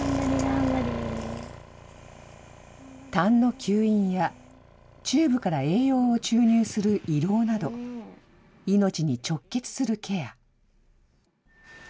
たんの吸引やチューブから栄養を注入する胃ろうなど、命に直結するケア。